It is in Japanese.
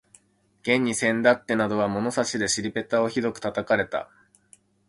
現にせんだってなどは物差しで尻ぺたをひどく叩かれた